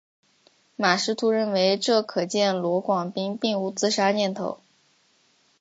马识途认为这可见罗广斌并无自杀念头。